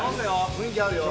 雰囲気あるよ